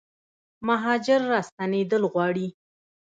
مهاجر راستنیدل غواړي